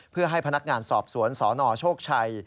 เพื่อให้พนักงานสอบสวนสนโชคชัย